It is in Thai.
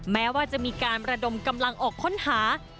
แม้ว่าจะมีการระดมกำลังออกค้นหา